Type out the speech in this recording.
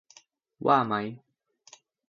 ว่ามั้ย